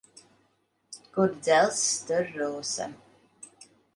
Kur dzelzs, tur rūsa.